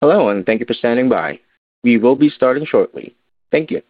Hello and thank you for standing by. We will be starting shortly. Thank you.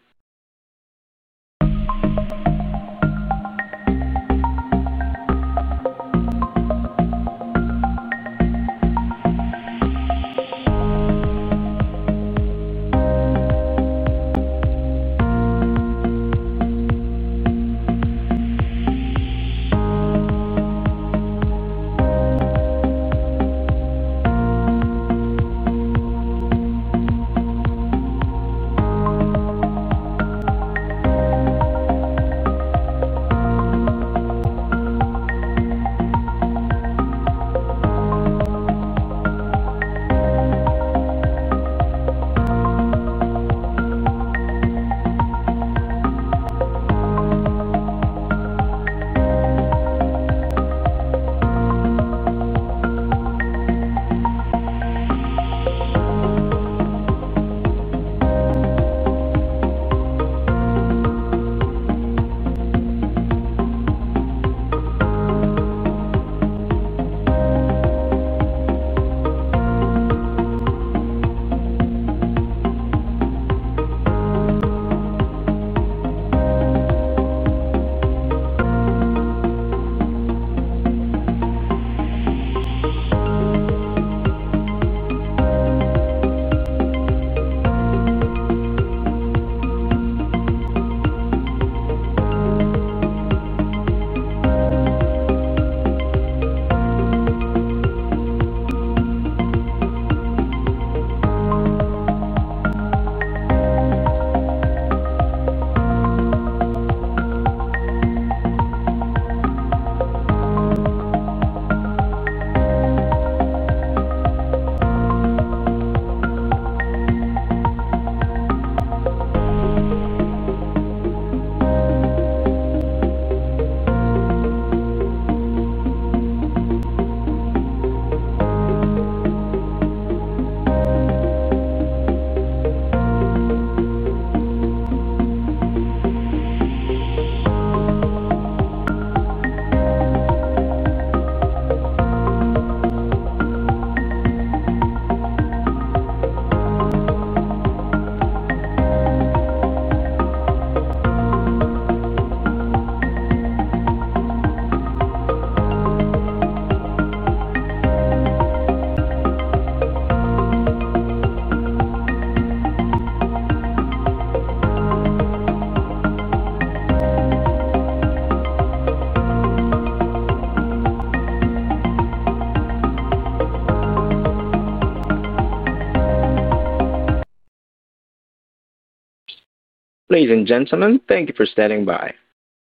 Ladies and gentlemen, thank you for standing by.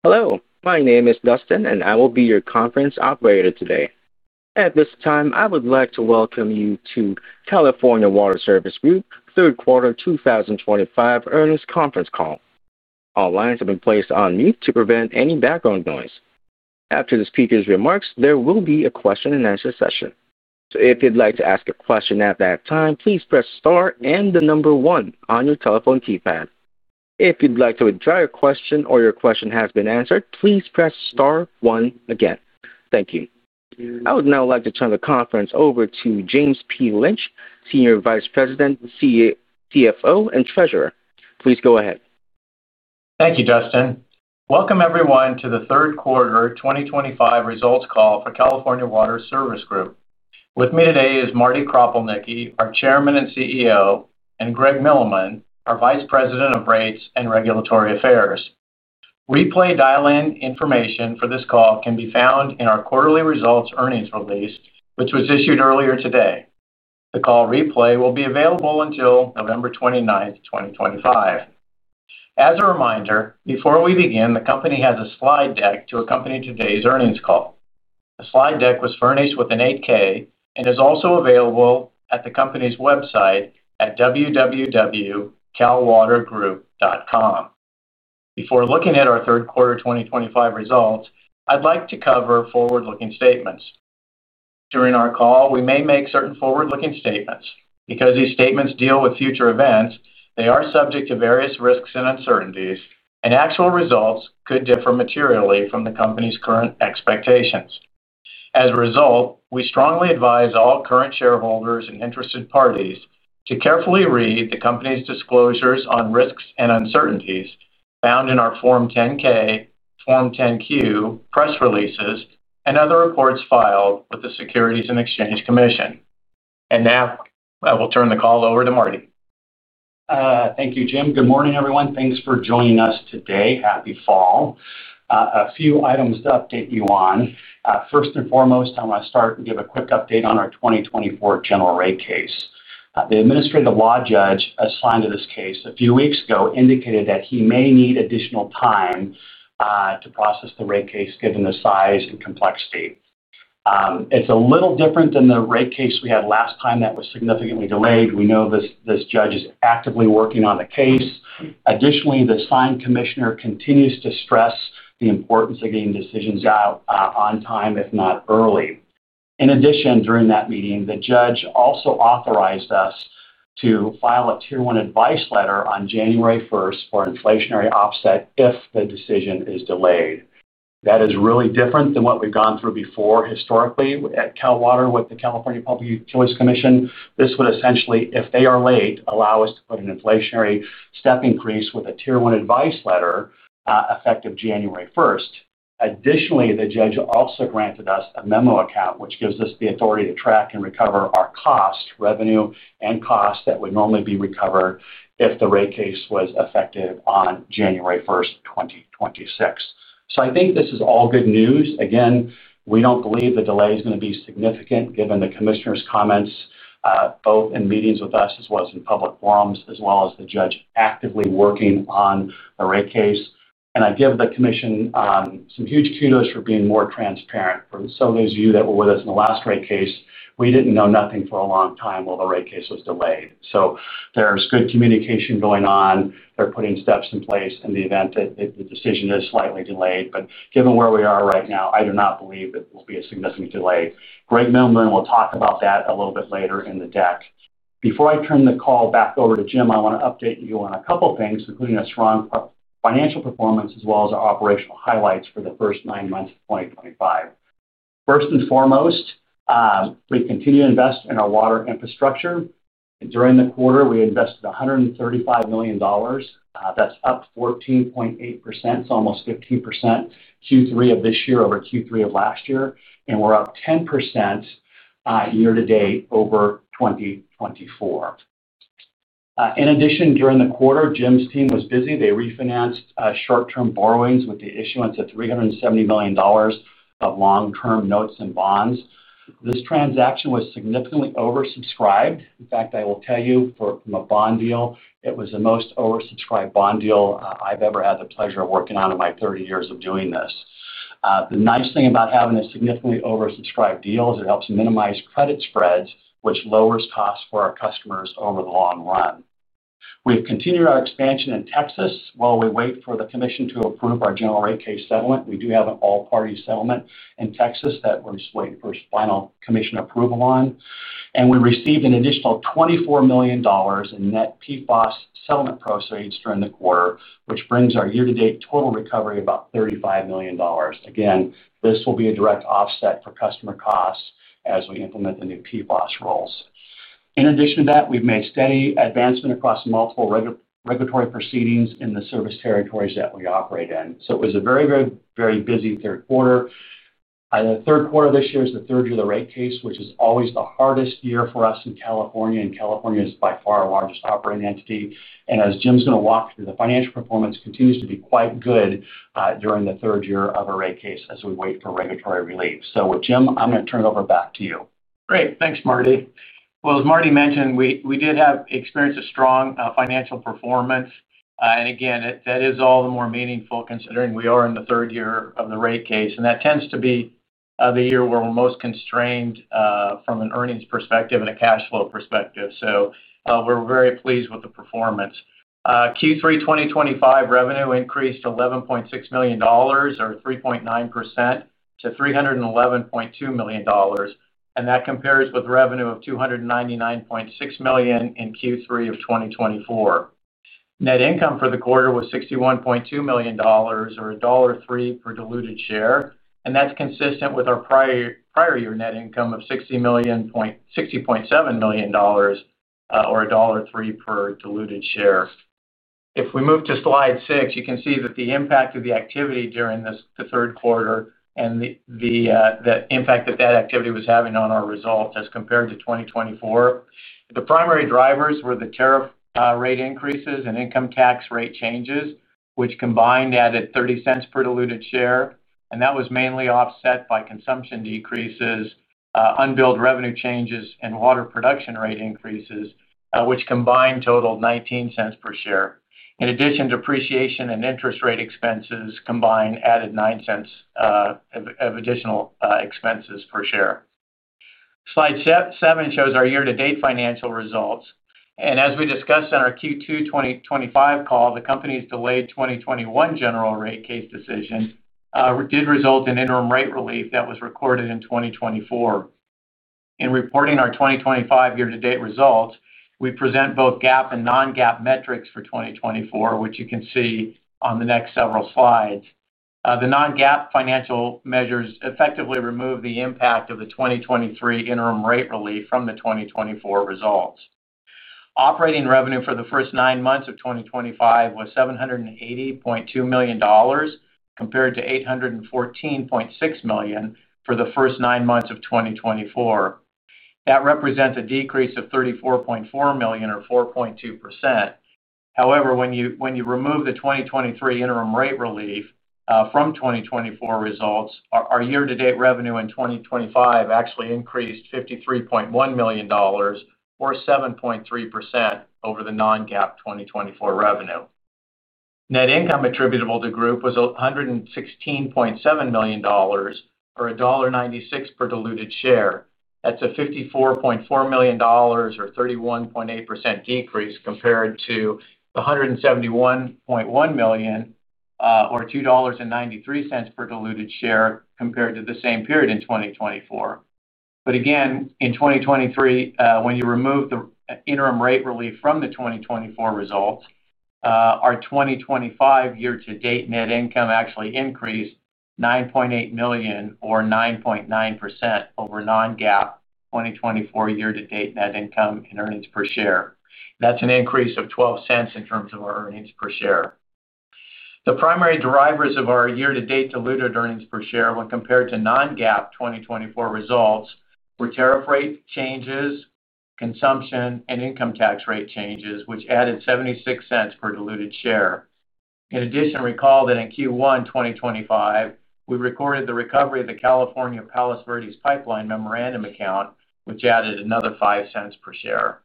Hello, my name is Dustin and I will be your conference operator today. At this time I would like to welcome you to California Water Service Group third quarter 2025 earnings conference call. All lines have been placed on mute to prevent any background noise. After the speaker's remarks, there will be a question and answer session. If you'd like to ask a question at that time, please press star and the number one on your telephone keypad. If you'd like to withdraw your question or your question has been answered, please press star one again. Thank you. I would now like to turn the conference over to James P. Lynch, Senior Vice President, CFO and Treasurer. Please go ahead. Thank you, Dustin. Welcome everyone to the third quarter 2025 results call for California Water Service Group. With me today is Marty Kropelnicki, our Chairman and CEO, and Greg Milleman, our Vice President of Rates and Regulatory Affairs. Replay dial-in information for this call can be found in our quarterly results earnings release, which was issued earlier today. The call replay will be available until November 29, 2025. As a reminder before we begin, the Company has a slide deck to accompany today's earnings call. The slide deck was furnished with an 8-K and is also available at the Company's website at www.calwatergroup.com. Before looking at our third quarter 2025 results, I'd like to cover forward-looking statements. During our call, we may make certain forward-looking statements. Because these statements deal with future events, they are subject to various risks and uncertainties, and actual results could differ materially from the Company's current expectations. As a result, we strongly advise all current shareholders and interested parties to carefully read the Company's disclosures on risks and uncertainties found in our Form 10-K, Form 10-Q, press releases, and other reports filed with the Securities and Exchange Commission. I will now turn the call over to Marty. Thank you, Jim. Good morning, everyone. Thanks for joining us today. Happy Fall. A few items to update you on. First and foremost, I want to start and give a quick update on our 2024 general rate case. The Administrative Law Judge assigned to this case a few weeks ago indicated that he may need additional time to process the rate case. Given the size and complexity, it's a little different than the rate case we had last time that was significantly delayed. We know this judge is actively working on the case. Additionally, the assigned Commissioner continues to stress the importance of getting decisions out on time, if not early. In addition, during that meeting, the judge also authorized us to file a Tier 1 advice letter on January 1st for inflationary offset if the decision is delayed. That is really different than what we've gone through before historically at Cal Water with the California Public Utilities Commission. This would essentially, if they are late, allow us to put an inflationary step increase with a Tier 1 advice letter effective January 1st. Additionally, the judge also granted us a memorandum account, which gives us the authority to track and recover our cost, revenue, and cost that would normally be recovered if the rate case was effective on January 1st, 2026. I think this is all good news. Again, we don't believe the delay is going to be significant given the Commissioner's comments both in meetings with us as well as in public forums, as well as the judge actively working on the rate case. I give the Commission some huge kudos for being more transparent. For some of those of you that were with us in the last rate case, we didn't know nothing for a long time while the rate case was delayed. There's good communication going on. They're putting steps in place in the event that the decision is slightly delayed. Given where we are right now, I do not believe it will be a significant delay. Greg Milleman will talk about that a little bit later in the deck. Before I turn the call back over to Jim, I want to update you on a couple things, including a strong financial performance as well as our operational highlights for the first nine months of 2025. First and foremost, we continue to invest in our water infrastructure. During the quarter, we invested $135 million. That's up 14.8%, so almost 15% Q3 of this year over Q3 of last year, and we're up 10% year-to-date over 2024. In addition, during the quarter, Jim's team was busy. They refinanced short-term borrowings with the issuance of $370 million of long-term notes and bonds. This transaction was significantly oversubscribed. In fact, I will tell you, from a bond deal, it was the most oversubscribed bond deal I've ever had the pleasure of working on in my 30 years of doing this. The nice thing about having a significantly oversubscribed deal is it helps minimize credit spreads, which lowers costs for our customers over the long run. We have continued our expansion in Texas while we wait for the Commission to approve our general rate case settlement. We do have an all-party settlement in Texas that we're waiting for final Commission approval on, and we received an additional $24 million in net PFAS settlement proceeds during the quarter, which brings our year-to-date total recovery to about $35 million. This will be a direct offset for customer costs as we implement the new PFAS rules. In addition to that, we've made steady advancement across multiple regulatory proceedings in the service territories that we operate in. It was a very, very, very busy third quarter. The third quarter this year is the third year of the rate case, which is always the hardest year for us in California. California is by far our largest operating entity. As Jim's going to walk through, the financial performance continues to be quite good during the third year of a rate case as we wait for regulatory relief. With that, Jim, I'm going to turn it over back to you. Great. Thanks Marty. As Marty mentioned, we did experience a strong financial performance and again, that is all the more meaningful considering we are in the third year of the rate case and that tends to be the year where we're most constrained from an earnings perspective and a cash flow perspective. We are very pleased with the performance. Q3 2025 revenue increased $11.6 million, or 3.9%, to $311.2 million and that compares with revenue of $299.6 million in Q3 of 2024. Net income for the quarter was $61.2 million or $1.03 per diluted share. That's consistent with our prior year net income of $60.7 million or $1.03 per diluted share. If we move to slide six, you can see the impact of the activity during the third quarter and the impact that activity was having on our results as compared to 2024. The primary drivers were the tariff rate increases and income tax rate changes, which combined added $0.30 per diluted share. That was mainly offset by consumption decreases, unbilled revenue changes, and water production rate increases, which combined totaled $0.19 per share. In addition, depreciation and interest rate expenses combined added $0.09 of additional EXP per share. Slide seven shows our year-to-date financial results and as we discussed on our Q2 2025 call, the company's delayed 2021 general rate case decision did result in interim rate relief that was recorded in 2024. In reporting our 2025 year-to-date results, we present both GAAP and non-GAAP metrics for 2024, which you can see on the next several slides. The non-GAAP financial measures effectively remove the impact of the 2023 interim rate relief from the 2024 results. Operating revenue for the first nine months of 2025 was $780.2 million compared to $814.6 million for the first nine months of 2024. That represents a decrease of $34.4 million or 4.2%. However, when you remove the 2023 interim rate relief from 2024 results, our year-to-date revenue in 2025 actually increased $53.1 million, or 7.3%, over the non-GAAP 2024 revenue. Net income attributable to Group was $116.7 million or $1.96 per diluted share. That's a $54.4 million or 31.8% decrease compared to $171.1 million or $2.93 per diluted share compared to the same period in 2024, but again in 2023. When you remove the interim rate relief from the 2024 results, our 2025 year-to-date net income actually increased $9.8 million or 9.9% over non-GAAP 2024 year-to-date net income and earnings per share. That's an increase of $0.12 in terms of our earnings per share. The primary drivers of our year to date diluted earnings per share when compared to non-GAAP 2024 results were tariff rate changes, consumption, and income tax rate changes which added $0.76 per diluted share. In addition, recall that in Q1 2025 we recorded the recovery of the California Palos Verdes Pipeline memorandum account which added another $0.05 per share.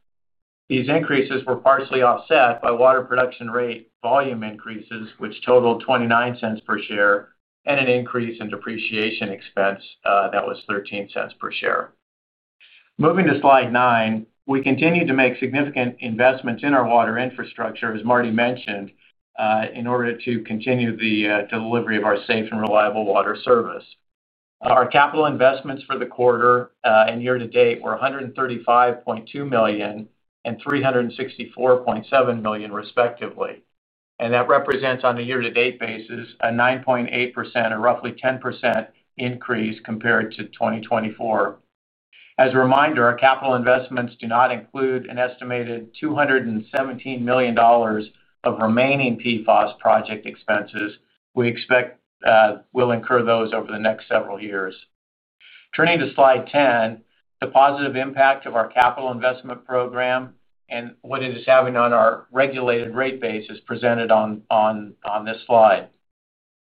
These increases were partially offset by water production rate volume increases which totaled $0.29 per share, and an increase in depreciation expense that was $0.13 per share. Moving to slide nine, we continue to make significant investments in our water infrastructure. As Marty mentioned, in order to continue the delivery of our safe and reliable water service. Our capital investments for the quarter and year to date were $135.2 million and $364.7 million respectively, and that represents, on a year-to-date basis, a 9.8% or roughly 10% increase compared to 2024. As a reminder, our capital investments do not include an estimated $217 million of remaining PFAS project expenses. We expect we'll incur those over the next several years. Turning to slide 10, the positive impact of our capital investment program and what it is having on our regulated rate base is presented on this slide.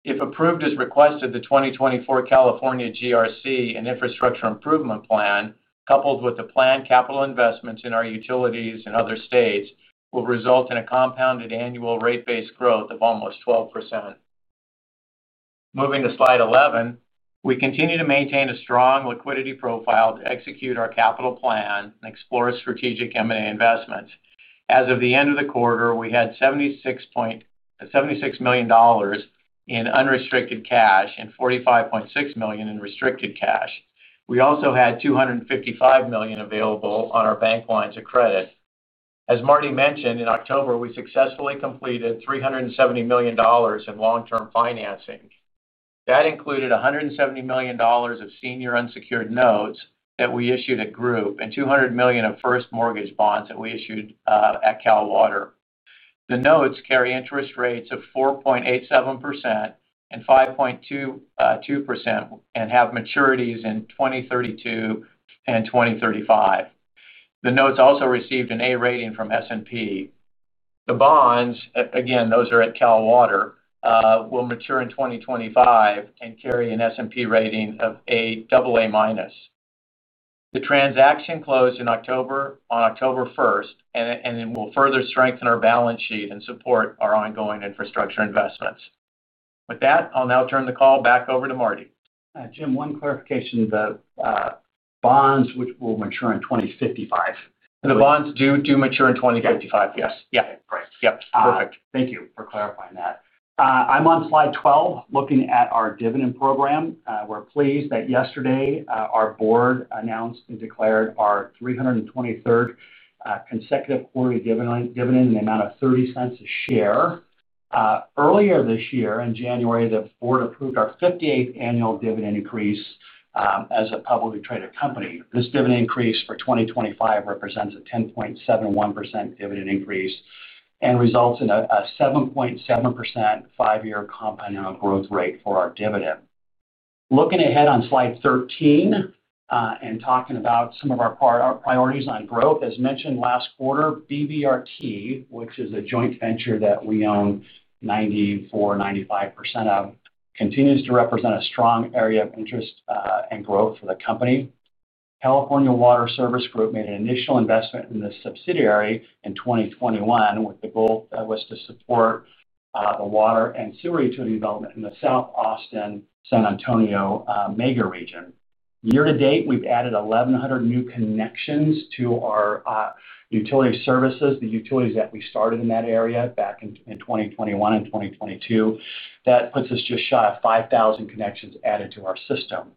If approved as requested, the 2024 California general rate case and Infrastructure Improvement Plan, coupled with the planned capital investments in our utilities and other states, will result in a compounded annual rate base growth of almost 12%. Moving to slide 11, we continue to maintain a strong liquidity profile to execute our capital plan and explore strategic M&A investments. As of the end of the quarter, we had $76 million in unrestricted cash and $45.6 million in restricted cash. We also had $255 million available on our bank lines of credit. As Marty mentioned, in October we successfully completed $370 million in long-term financing that included $170 million of senior unsecured notes that we issued at Group and $200 million of first mortgage bonds that we issued at Cal Water. The notes carry interest rates of 4.87% and 5.22% and have maturities in 2032 and 2035. The notes also received an A rating from S&P. The bonds, again those are at Cal Water, will mature in 2025 and carry an S&P rating of AA-. The transaction closed on October 1st and will further strengthen our balance sheet and support our ongoing infrastructure investments. With that, I'll now turn the call back over to Marty. Jim, one clarification. The bonds which will mature in 2055. The bonds do mature in 2055. Yes, yeah. Right. Yep. Perfect. Thank you for clarifying that. I'm on slide 12 looking at our dividend program. We're pleased that yesterday our board announced and declared our 323rd consecutive quarterly dividend in the amount of $0.30 a share. Earlier this year, in January, the board approved our 58th annual dividend increase as a publicly traded company. This dividend increase for 2025 represents a 10.71% dividend increase and results in a 7.7% five-year compound growth rate for our dividend. Looking ahead on slide 13 and talking about some of our priorities on growth, as mentioned last quarter, BVRT utility, which is a joint venture that we own 94.95% of, continues to represent a strong area of interest and growth for the company. California Water Service Group made an initial investment in this subsidiary in 2021 with. The goal was to support the water and sewer utility development in the South Austin San Antonio mega region. Year to date, we've added 1,100 new connections to our utility services. The utilities that we started in that area back in 2021 and 2022. That puts us just shy of 5,000 connections added to our system.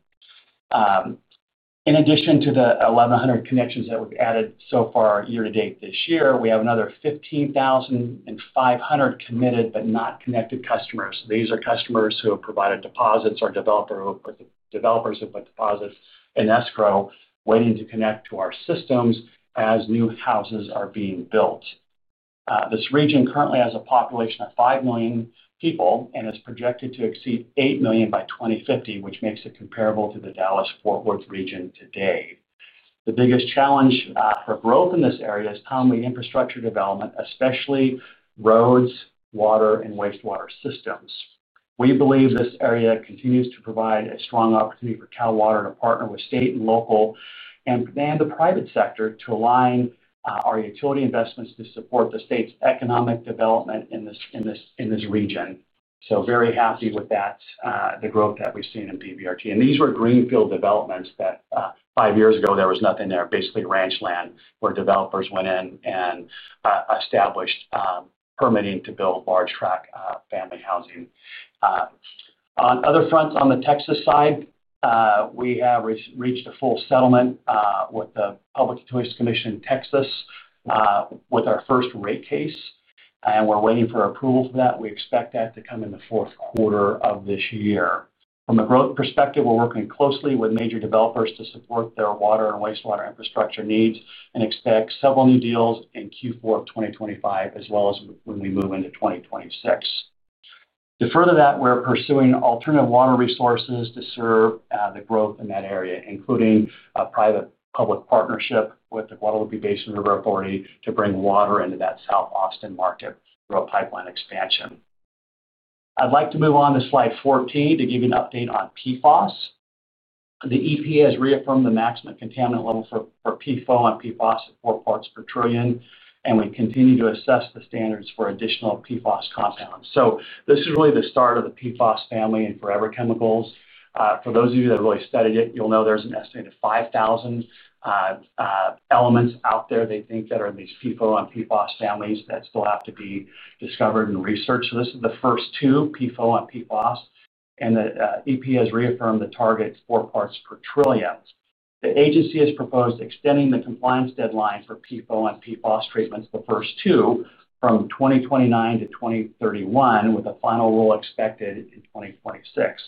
In addition to the 1,100 connections that we've added so far year to date this year, we have another 15,500 committed but not connected customers. These are customers who have provided deposits or developers who put deposits in escrow waiting to connect to our systems as new houses are being built. This region currently has a population of 5 million people and is projected to exceed 8 million by 2050, which makes it comparable to the Dallas Fort Worth region. The biggest challenge for growth in this area is commonly infrastructure development, especially roads, water, and wastewater systems. We believe this area continues to provide a strong opportunity for Cal Water to partner with state and local and the private sector to align our utility investments to support the state's economic development in this region. Very happy with that. The growth that we've seen in BVRT utility, and these were greenfield developments that five years ago there was nothing there. Basically ranch land where developers went in and established permitting to build large tract family housing. On other fronts, on the Texas side, we have reached a full settlement with the Public Utility Commission in Texas with our first rate case and we're waiting for approval for that. We expect that to come in the fourth quarter of this year. From a growth perspective, we're working closely with major developers to support their water and wastewater infrastructure needs and expect several new deals in Q4 of 2025 as well as when we move into 2026. To further that, we're pursuing alternative water resources to serve the growth in that area, including a private public partnership with the Guadalupe-Blanco River Authority to bring water into that South Austin market growth pipeline expansion. I'd like to move on to slide 14 to give you an update on PFAS. The EPA has reaffirmed the maximum contaminant level for PFOA and PFAS at 4 parts per trillion. We continue to assess the standards for additional PFAS compounds. This is really the start of the PFAS family in Forever Chemicals. For those of you that really studied it, you'll know there's an estimated 5,000 elements out there they think that are in these PFOA and PFOS families that still have to be discovered and researched. This is the first two, PFOA and PFOS, and the EPA has reaffirmed the target 4 parts per trillion. The Agency has proposed extending the compliance deadline for PFOA and PFOS treatments, the first two, from 2029 to 2031, with a final rule expected in 2026.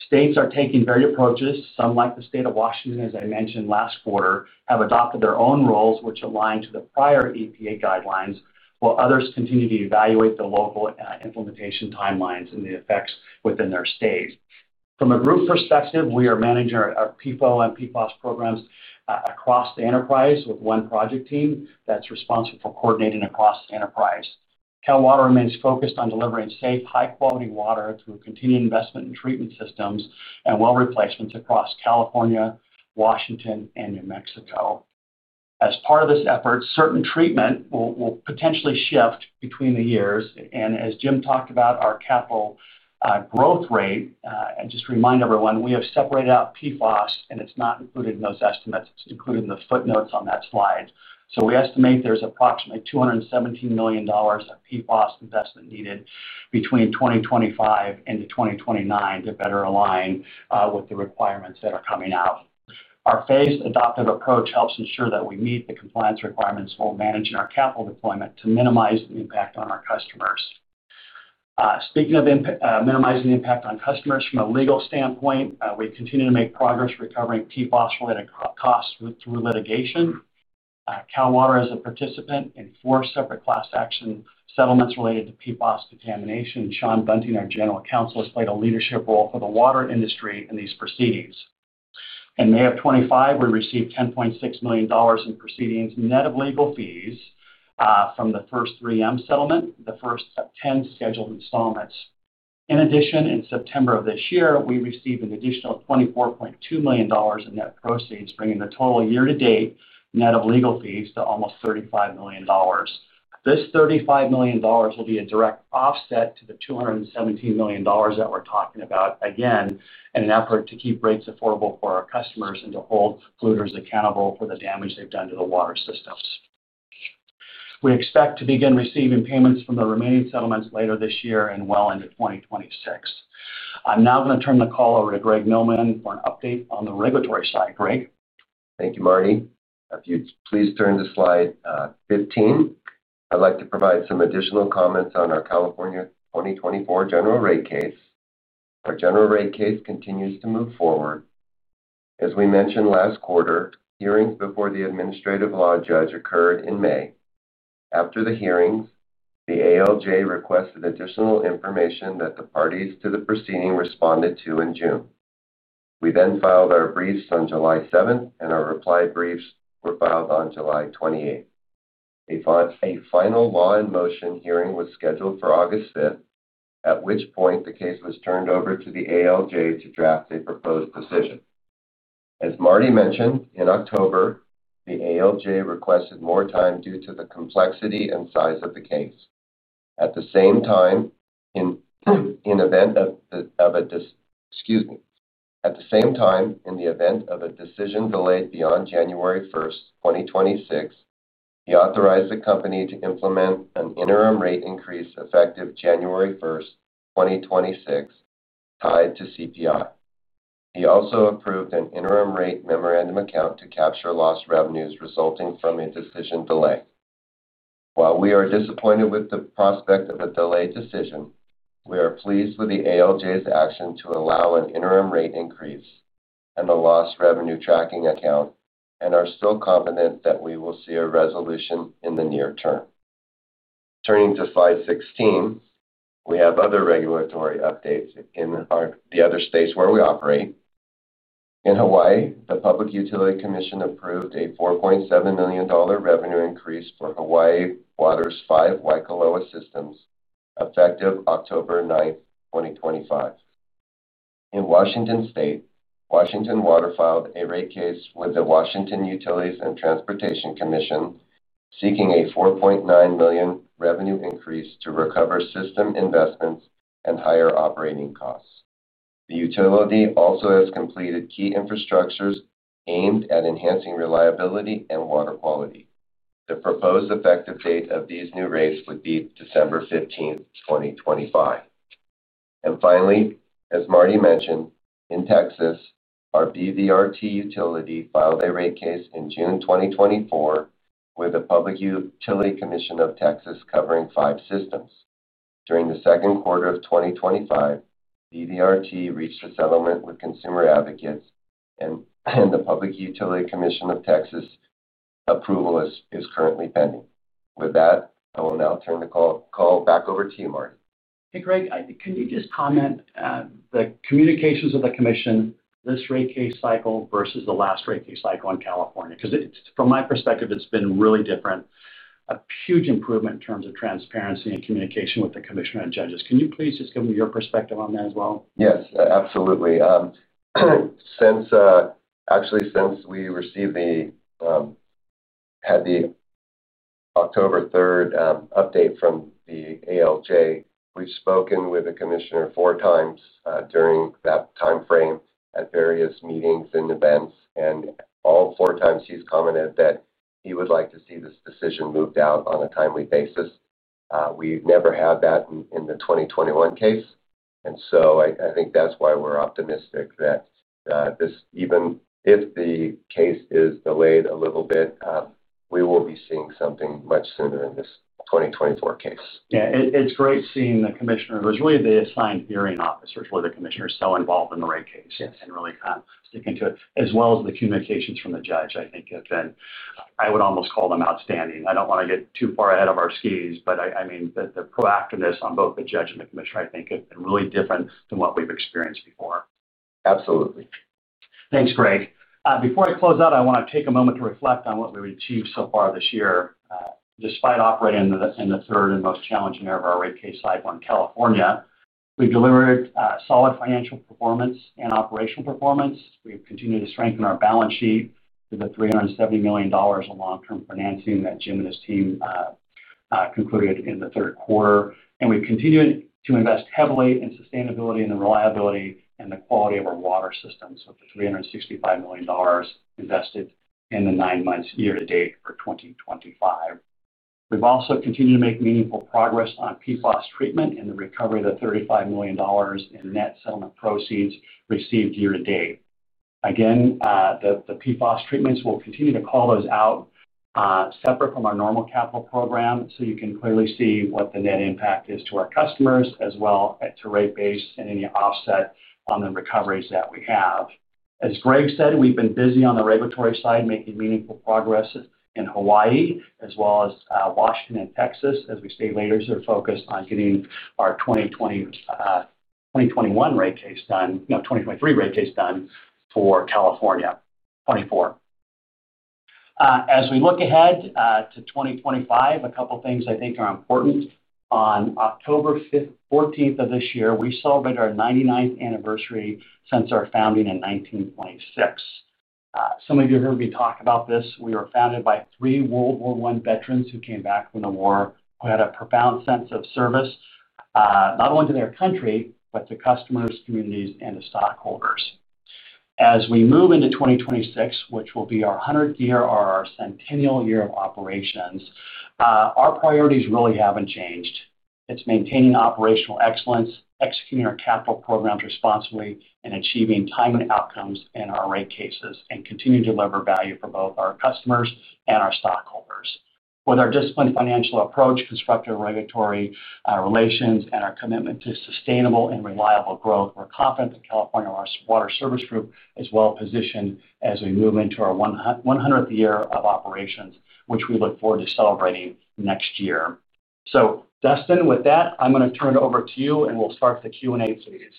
States are taking varied approaches. Some, like the State of Washington, as I mentioned last quarter, have adopted their own rules which align to the prior EPA guidelines, while others continue to evaluate the local implementation timelines and the effects within their states. From a group perspective, we are managing our PFOA and PFOS programs across the enterprise with one project team that's responsible for coordinating across the enterprise. Cal Water remains focused on delivering safe, high quality water through continued investment in treatment systems and well replacements across California, Washington, and New Mexico. As part of this effort, certain treatment will potentially shift between the years and as Jim talked about, our capital growth rate. Just to remind everyone, we have separated out PFOS and it's not included in those estimates. It's included in the footnotes on that slide. We estimate there's approximately $217 million of PFOS investment needed between 2025 and 2029 to better align with the requirements that are coming out. Our phased adoptive approach helps ensure that we meet the compliance requirements while managing our capital deployment to minimize the impact on our customers. Speaking of minimizing the impact on customers from a legal standpoint, we continue to make progress recovering PFAS-related costs through litigation. Cal Water is a participant in four separate class action settlements related to PFAS contamination. Shawn Bunting, our General Counsel, has played a leadership role for the water industry in these proceedings. In May 25, we received $10.6 million in proceeds net of legal fees from the first 3M settlement, the first 10 scheduled installments. In addition, in September of this year, we received an additional $24.2 million in net proceeds, bringing the total year to date net of legal fees to almost $35 million. This $35 million will be a direct offset to the $217 million that we're talking about again in an effort to keep rates affordable for our customers and hold polluters accountable for the damage they've done to the water systems. We expect to begin receiving payments from the remaining settlements later this year and well into 2026. I'm now going to turn the call over to Greg Milleman for an update on the regulatory side. Thank you, Marty. If you'd please turn to slide 15, I'd like to provide some additional comments on our California 2024 general rate case. Our general rate case continues to move forward. As we mentioned last quarter, hearings before the Administrative Law Judge occurred in May. After the hearings, the ALJ requested additional information that the parties to the proceeding responded to in June. We then filed our briefs on July 7, and our reply briefs were filed on July 28. A final law and motion hearing was scheduled for August 5, at which point the case was turned over to the ALJ to draft a proposed decision. As Marty mentioned in October, the ALJ requested more time due to the complexity and size of the case. At the same time, in the event of a decision delayed beyond January 1st, 2026, he authorized the company to implement an interim rate increase effective January 1st, 2026, tied to CPI. He also approved an interim rate memorandum account to capture lost revenues resulting from a decision delay. While we are disappointed with the prospect of a delayed decision, we are pleased with the ALJ's action to allow an interim rate increase and a lost revenue tracking account and are still confident that we will see a resolution in the near term. Turning to slide 16, we have other regulatory updates in the other states where we operate. In Hawaii, the Public Utility Commission approved a $4.7 million revenue increase for Hawaii Water's five Waikoloa systems effective October 9, 2025. In Washington state, Washington Water filed a rate case with the Washington Utilities and Transportation Commission seeking a $4.9 million revenue increase to recover system investments and higher operating costs. The utility also has completed key infrastructures aimed at enhancing reliability and water quality. The proposed effective date of these new rates would be December 15th, 2025. Finally, as Marty mentioned, in Texas, our BVRT utility filed a rate case in June 2024 with the Public Utility Commission of Texas covering five systems. During the second quarter of 2025, BVRT reached a settlement with Consumer Advocates and the Public Utility Commission of Texas. Approval is currently pending with that. I will now turn the call back over to you, Marty. Hey Greg, can you just comment on the communications of the commission, this rate case cycle versus the last rate case cycle in California? Because from my perspective, it's been really different. A huge improvement in terms of transparency and communication with the Commissioner of Judges. Can you please just give me your perspective on that as well? Yes, absolutely. Since we received the October 3rd update from the ALJ, we've spoken with the commissioner four times during that time frame at various meetings and events. All four times he's commented that he would like to see this decision moved out on a timely basis. We never had that in the 2021 case. I think that's why we're optimistic that this, even if the case is delayed a little bit, we will be seeing something much sooner in this 2024 case. Yeah, it's great seeing the Commissioner, who is really the assigned hearing officer, where the Commissioner is so involved in the rate case and really kind of sticking to it, as well as the communications from the judge. I think have been, I would almost call them outstanding. I don't want to get too far ahead of our skis, but I mean, the proactiveness on both the judge and the Commissioner, I think have been really different from what we've experienced before. Absolutely. Thanks, Greg. Before I close out, I want to take a moment to reflect on what we achieved so far this year. Despite operating in the third and most challenging area, our rate case cycle in California, we delivered solid financial performance and operational performance. We continue to strengthen our balance sheet with the $370 million of long-term financing that Jim and his team concluded in the third quarter. We continue to invest heavily in sustainability and the reliability and the quality of our water systems. With the $365 million invested in the nine months year to date for 2025, we've also continued to make meaningful progress on PFAS treatment and the recovery of the $35 million in net settlement proceeds received year-to-date. The PFAS treatments will continue to call those out separate from our normal capital program, so you can clearly see what the net impact is to our customers as well to rate base and any offset on the recoveries that we have. As Greg said, we've been busy on the regulatory side making meaningful progress. Hawaii as well as Washington and Texas, as we say, leaders are focused on getting our 2021 rate case done. No 2023 rate case done for California 2024. As we look ahead to 2025, a couple things I think are important. On October 5th, 14th of this year, we celebrate our 99th anniversary since our founding in 1926. Some of you heard me talk about this. We were founded by three World War I veterans who came back from the war who had a profound sense of service not only to their country, but to customers, communities, and to stockholders. As we move into 2026, which will be our 100th year or our centennial year of operations, our priorities really haven't changed. It's maintaining operational excellence, executing our capital programs responsibly, and achieving time and outcomes in our rate cases and continue to deliver value for our customers and our stockholders. With our disciplined financial approach, constructive regulatory relations, and our commitment to sustainable and reliable growth, we're confident that California Water Service Group is well positioned as we move into our 100th year of operations, which we look forward to celebrating next year. Dustin, with that, I'm going to turn it over to you and we'll start the Q&A phase.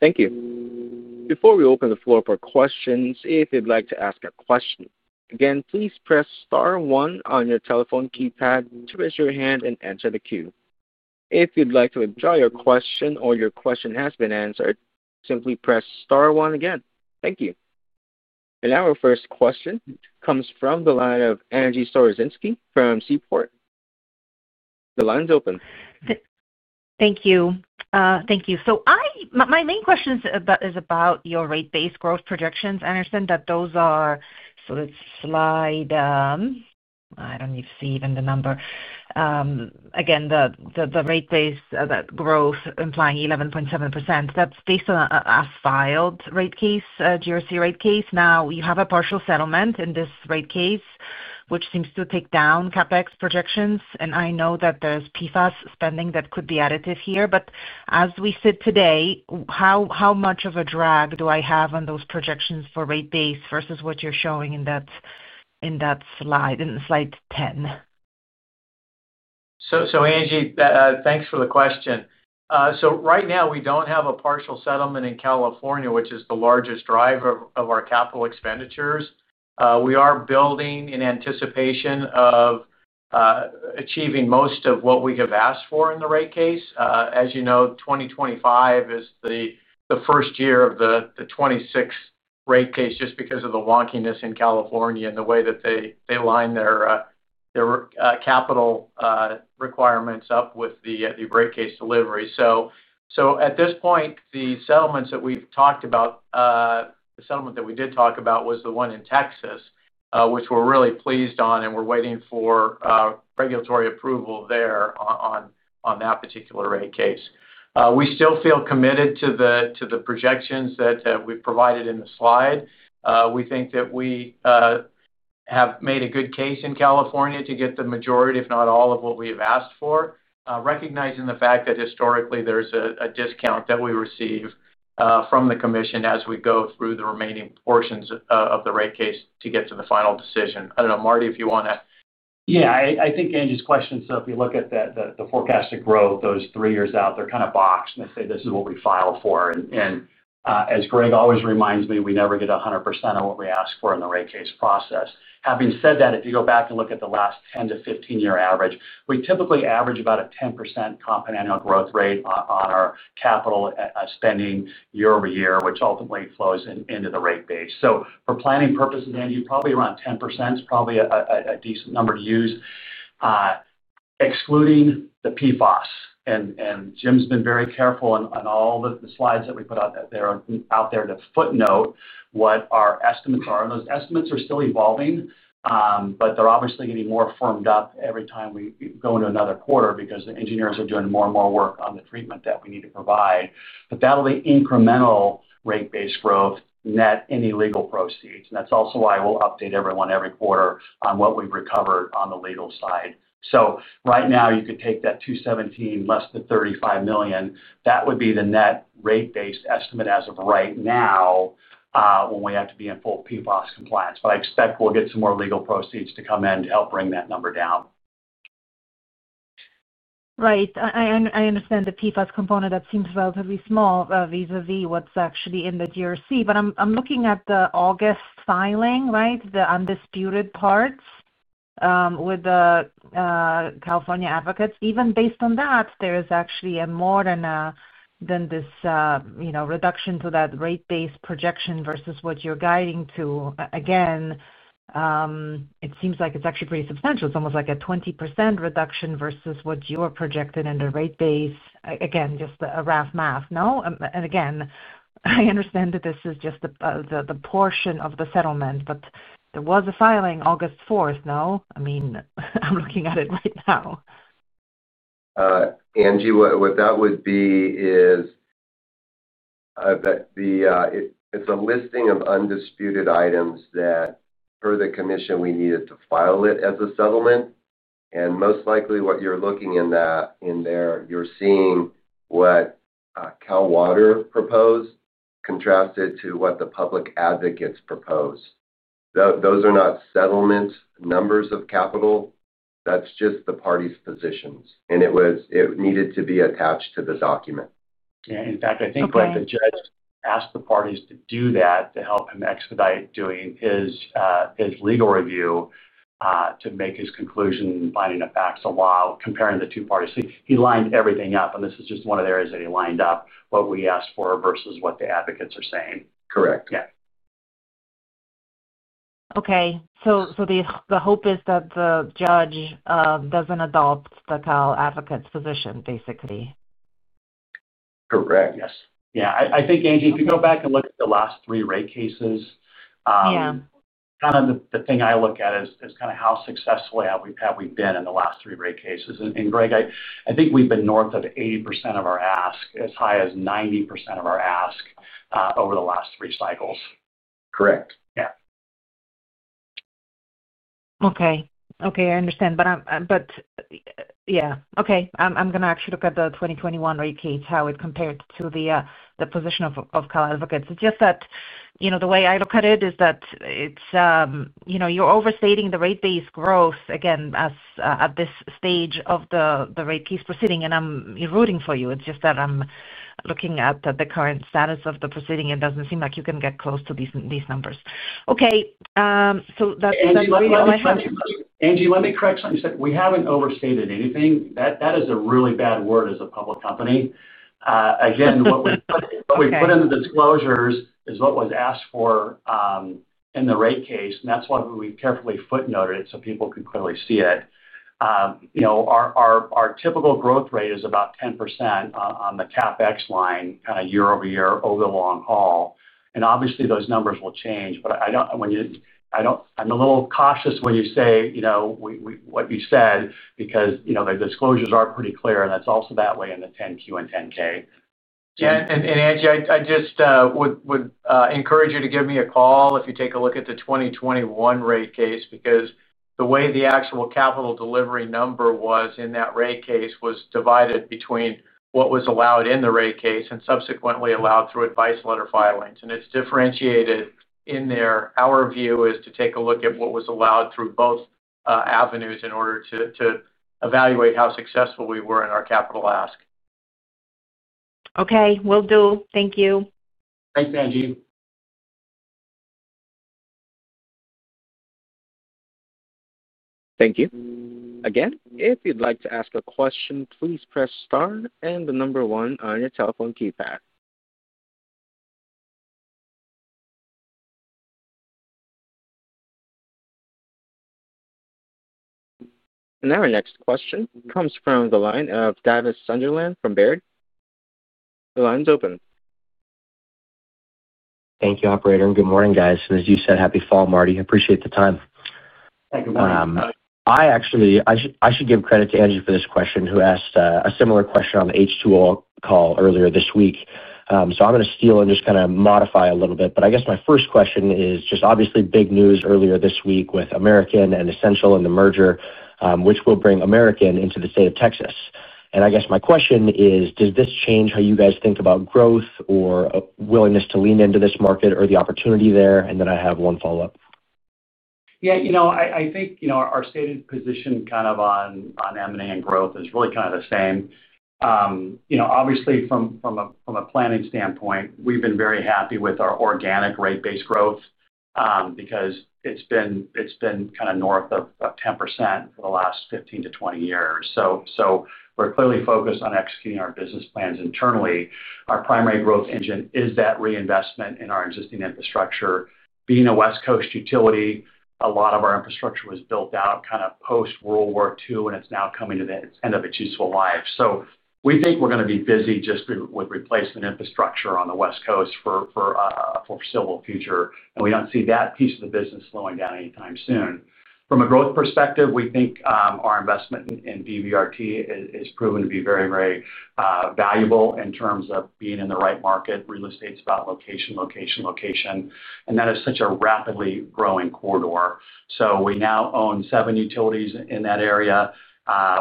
Thank you. Before we open the floor for questions, if you'd like to ask a question again, please press star one on your telephone keypad to raise your hand and enter the queue. If you'd like to withdraw your question or your question has been answered, simply press star one again. Thank you. Our first question comes from the line of Angie Storozynski from Seaport. The line's open. Thank you. Thank you. My main question is about your rate base growth projections, Anderson, that those are. Let's slide. I don't even see the number. Again, the rate base, that growth implying 11.7% that's based on a filed rate case, GRC rate case. Now we have a partial settlement in this rate case which seems to take down CapEx projections. I know that there's PFAS spending that could be additive here, but as we sit today, how much of a drag do I have on those projections for rate base versus what you're showing in that slide in slide 10? Angie, thanks for the question. Right now we don't have a partial settlement in California, which is the largest driver of our capital expenditures. We are building in anticipation of achieving most of what we have asked for in the rate case. As you know, 2025 is the first year of the 2026 rate case just because of the wonkiness in California and the way that they line their capital requirements up with the rate case delivery. At this point, the settlements that we've talked about, the settlement that we did talk about was the one in Texas, which we're really pleased on, and we're waiting for regulatory approval there on that particular rate case. We still feel committed to the projections that we provided in the slide. We think that we have made a good case in California to get the majority, if not all, of what we have asked for, recognizing the fact that historically there's a discount that we receive from the commission as we go through the remaining portions of the rate case to get to the final decision. I don't know, Marty, if you want to. Yeah, I think Angie's question. If you look at the forecasted growth those three years out, they're kind of boxed and they say this is what we filed for. As Greg always reminds me, we never get 100% of what we ask for in the rate case process. Having said that, if you go back and look at the last 10 year-15 year average, we typically average about a 10% comp and annual growth rate on our capital spending year-over-year, which ultimately flows into the rate base. For planning purposes, Angie, probably around 10% is probably a decent number to use, excluding the PFAS. Jim's been very careful on all the slides that we put out there to footnote what our estimates are. Those estimates are still evolving, but they're obviously getting more firmed up every time we go into another quarter because the engineers are doing more and more work on the treatment that we need to provide. That'll be incremental rate base growth, net any legal proceeds. That's also why we'll update everyone every quarter on what we've recovered on the legal side. Right now you could take that $217 million less than $35 million. That would be the net rate base estimate as of right now, when we have to be in full PFAS compliance. I expect we'll get some more legal proceeds to come in to help bring that number down. Right. I understand the PFAS component. That seems relatively small vis-à-vis what's actually in the general rate case. I'm looking at the August filing, right? The undisputed parts with the California advocates, even based on that, there is actually more than this reduction to that rate base projection versus what you're guiding to. It seems like it's actually pretty substantial. It's almost like a 20% reduction versus what you projected in the rate base. Just a rough math. I understand that this is just the portion of the settlement, but there was a filing August 4th. I'm looking at it right now. Angie, what that would be is a listing of undisputed items that, per the commission, we needed to file as a settlement. Most likely what you're looking at in there, you're seeing what Cal Water proposed contrasted to what the public advocates proposed. Those are not settlement numbers of capital. That's just the parties' positions, and it needed to be attached to the document. In fact, I think the judge asked the parties to do that to help him expedite doing his legal review, to make his conclusion finding a facts of law, comparing the two parties. He lined everything up. This is just one of the areas that he lined up what we asked for versus what the advocates are saying, correct? Yeah. Okay, so the hope is that the judge doesn't adopt the Cal Advocates' position, basically, Correct. Yes. Yeah. I think, Angie, if you go back and look at the last three rate cases, kind of the thing I look at is kind of how successful have we been in the last three rate cases? Greg, I think we've been north of 80% of our ask, as high as 90% of our ask over the last three cycles. Correct. Yeah. Okay, I understand. I'm going to actually look at the 2021 rate case, how it compared to the position of Cal Advocates. The way I look at it is that you're overstating the rate base growth again at this stage of the rate case proceeding. I'm rooting for you. I'm looking at the current status of the proceeding index. It doesn't seem like you can get close to these numbers. That's really all I have. Angie, let me correct something you said. We haven't overstated anything. That is a really bad word as a public company. What we put in the disclosures is what was asked for in the rate case. That's why we carefully footnoted it so people can clearly see it. Our typical growth rate is about 10% on the CapEx line year-over-year over the long haul. Obviously those numbers will change. I'm a little cautious when you say what you said because the disclosures are pretty clear. That's also that way in the 10-Q and 10-K. Angie, I just would encourage you to give me a call if you take a look at the 2021 rate case because the way the actual capital delivery number was in that rate case was divided between what was allowed in the rate case and subsequently allowed through advice letter filings. It's differentiated in there. Our view is to take a look at what was allowed through both avenues in order to evaluate how successful we were in our capital ask. Okay, will do. Thank you. Thanks, Angie. Thank you again. If you'd like to ask a question, please press star and the number one on your telephone keypad. Now, our next question comes from the line of Davis Sunderland from Baird. The line's open. Thank you, operator. Good morning, guys. As you said, happy fall, Marty. Appreciate the time. I should give credit to Angie for this question who asked a similar question on the H2O call earlier this week. I'm going to steal and just kind of modify a little bit. My first question is just obviously big news earlier this week with American and Essential and the merger which will bring American into the state of Texas. My question is, does this change how you guys think about growth or willingness to lean into this market or the opportunity there? I have one question. Yeah. I think our stated position on M&A and growth is really the same. Obviously, from a planning standpoint, we've been very happy with our organic rate base growth because it's been north of 10% for the last 15 years-20 years. We're clearly focused on executing our business plans internally. Our primary growth engine is that reinvestment in our existing infrastructure. Being a West Coast utility, a lot of our infrastructure was built out post-World War II and it's now coming to the end of its useful life. We think we're going to be busy just with replacement infrastructure on the West Coast for the foreseeable future and we don't see that piece of the business slowing down anytime soon. From a growth perspective, we think our investment in BVRT utility has proven to be very, very valuable in terms of being in the right market. Real estate's about location, location, location, and that is such a rapidly growing corridor. We now own seven utilities in that area.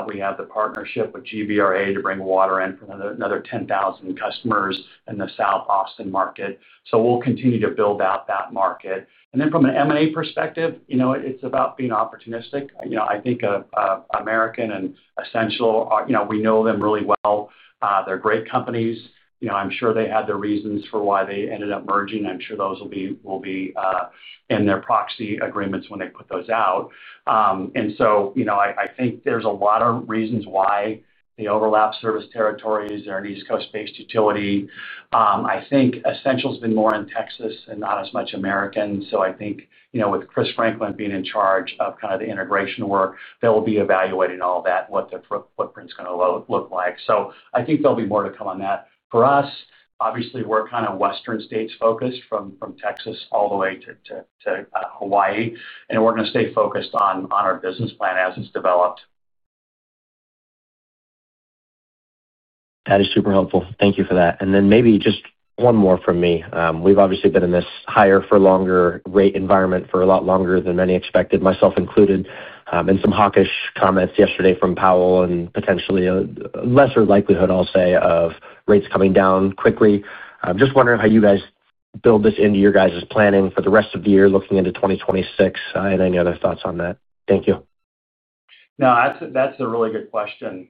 We have the partnership with Guadalupe-Blanco River Authority to bring water in for another 10,000 customers in the South Austin market. We'll continue to build out that market. From an M&A perspective, it's about being opportunistic. I think American and Essential, we know them really well. They're great companies. I'm sure they had their reasons for why they ended up merging. I'm sure those will be in their proxy agreements when they put those out. I think there's a lot of reasons why the overlap service territories are an East Coast-based utility. I think Essential's been more in Texas and not as much American. I think with Chris Franklin being in charge of the integration work, they'll be evaluating all that, what their footprint is going to look like. I think there'll be more to come on that. For us, we're kind of Western states focused from Texas all the way to Hawaii, and we're going to stay focused on our business plan as it's developed. That is super helpful. Thank you for that. Maybe just one more from me. We've obviously been in this higher for longer rate environment for a lot longer than many expected, myself included. Some hawkish comments yesterday from Powell and potentially a lesser likelihood, I'll say, of rates coming down quickly. I'm just wondering how you guys build this into your guys' planning for the rest of the year, looking into 2026 and any other thoughts on that. Thank you. No, that's a really good question,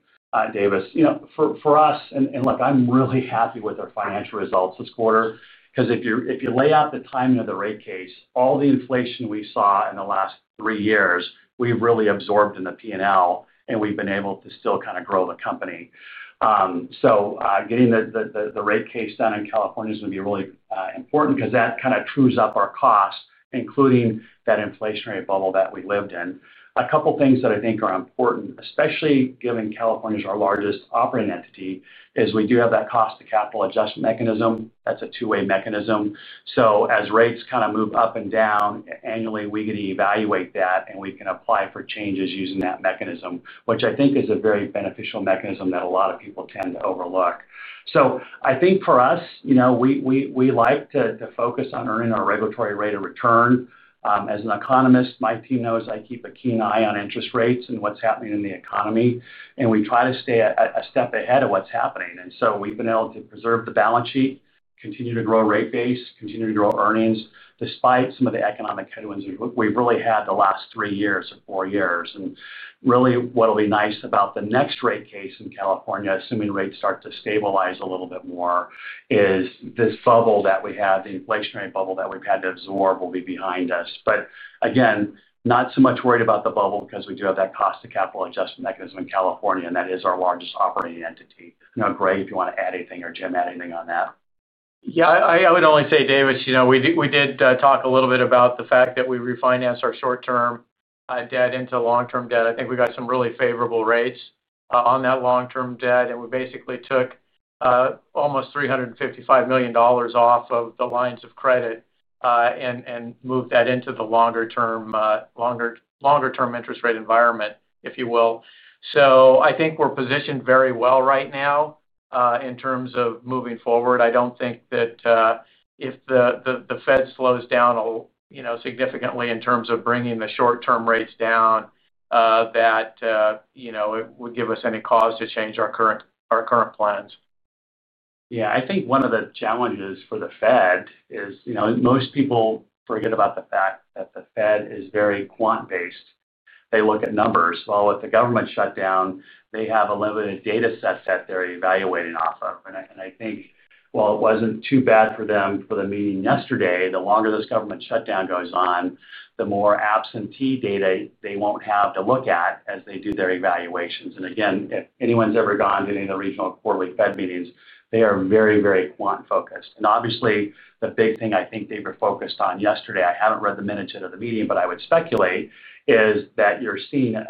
Davis, you know, for us. Look, I'm really happy with our financial results this quarter because if you lay out the timing of the rate case, all the inflation we saw in the last three years, we've really absorbed in the P&L and we've been able to still kind of grow the company. Getting the rate case done in California is going to be really important because that kind of trues up our costs, including that inflationary bubble that we lived in. A couple things that I think are important, especially given California is our largest operating entity, is we do have that cost of capital adjustment mechanism. That's a two-way mechanism. As rates kind of move up and down annually, we get to evaluate that and we can apply for changes using that mechanism, which I think is a very beneficial mechanism that a lot of people tend to overlook. I think for us, you know, we like to focus on earning our regulatory rate of return. As an economist, my team knows I keep a keen eye on interest rates and what's happening in the economy. We try to stay a step ahead of what's happening. We've been able to preserve the balance sheet, continue to grow rate base, continue to grow earnings despite some of the economic headwinds we've really had the last three years or four years. What will be nice about the next rate case in California, assuming rates start to stabilize a little bit more, is this bubble that we have, the inflationary bubble that we've had to absorb, will be behind us. Not so much worried about the bubble because we do have that cost of capital adjustment mechanism in California and that is our largest operating entity. Now Greg, if you want to add anything or Jim, add anything on that. I would only say, Davis, we did talk a little bit about the fact that we refinanced our short term debt into long term debt. I think we got some really favorable rates on that long term debt, and we basically took almost $355 million off of the lines of credit and moved that into the longer term interest rate environment, if you will. I think we're positioned very well right now in terms of moving forward. I don't think that if the Fed slows down significantly in terms of bringing the short term rates down that it would give us any cause to change our current plans. I think one of the challenges for the Fed is most people forget about the fact that the Fed is very quant based. They look at numbers. With the government shutdown, they have a limited data set that they're evaluating off of. I think while it wasn't too bad for them for the meeting yesterday, the longer this government shutdown goes on, the more absentee data they won't have to look at as they do their evaluations. If anyone's ever gone to any of the regional quarterly Fed meetings, they are very, very quant focused. Obviously, the big thing I think they were focused on yesterday, I haven't read the minutes into the meeting, but I would speculate is that you're seeing kind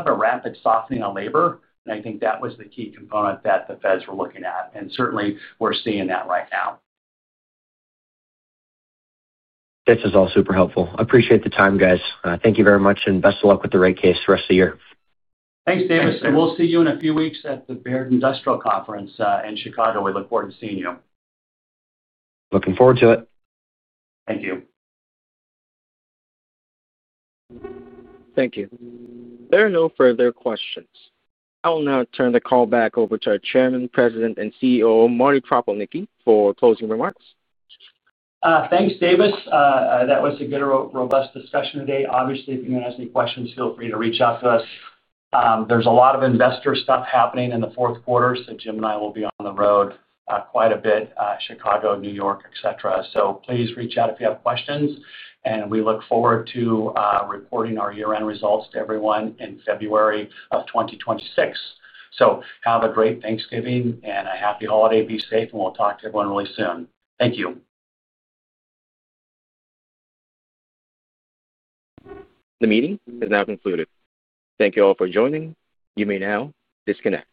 of a rapid softening of labor and I think that was the key component that the Fed was looking at and certainly we're seeing that right now. This is all super helpful. I appreciate the time, guys. Thank you very much and best of luck with the rate case the rest of the year. Thanks Davis. Will see you in a few weeks at the Baird Industrial Conference in Chicago. We look forward to seeing you. Looking forward to it. Thank you. Thank you. There are no further questions. I will now turn the call back over to our Chairman, President and CEO Marty Kropelnicki for closing remarks. Thanks, Davis. That was a good, robust discussion today. Obviously, if anyone has any questions, feel free to reach out to us. There's a lot of investor stuff happening in the fourth quarter, so Jim and I will be on the road quite a bit—Chicago, New York, etc. Please reach out if you have questions. We look forward to reporting our year end results to everyone in February of 2026. Have a great Thanksgiving and a happy holiday. Be safe and we'll talk to everyone really soon. Thank you. The meeting has now concluded. Thank you all for joining. You may now disconnect.